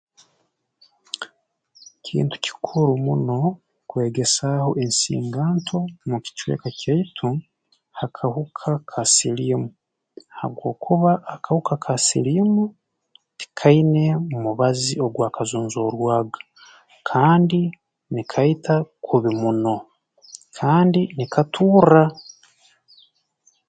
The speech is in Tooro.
Kintu kikuru muno kwegesaaho ensinganto mu kicweka kyaitu ha kahuka ka siliimu habwokuba akahuka ka siliimu tikaine mubazi ogwakazonzorwaga kandi nikaita kubi muno kandi nikaturra